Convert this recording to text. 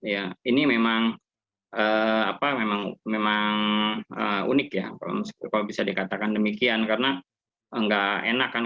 ya ini memang apa memang memang unik yang kalau bisa dikatakan demikian karena enggak enak kan